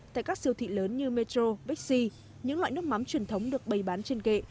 tại các siêu thị lớn như metro bixi những loại nước mắm truyền thống được bày bán trên kệ